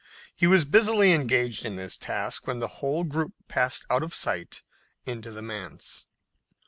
He was busily engaged in this task when the whole group passed out of sight into the manse.